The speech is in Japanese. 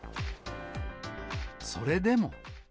それでも。